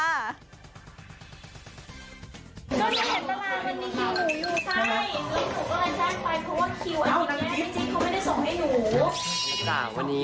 อย่างไรน่ะแล้วต้องอ่านมั้ยคะนี่